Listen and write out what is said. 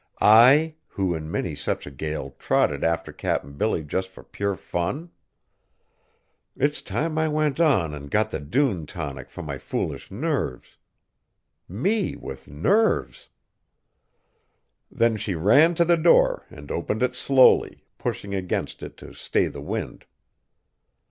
I, who, in many such a gale, trotted after Cap'n Billy just for pure fun. It's time I went on and got the dune tonic for my foolish nerves. Me with nerves!" Then she ran to the door and opened it slowly, pushing against it to stay the wind.